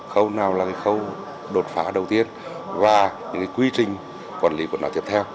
khâu nào là cái khâu đột phá đầu tiên và những quy trình quản lý của nó tiếp theo